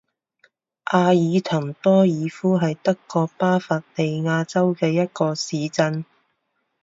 阿尔滕多尔夫是德国巴伐利亚州的一个市镇。